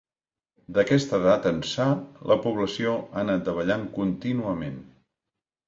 D'aquesta data ençà, la població ha anat davallant contínuament.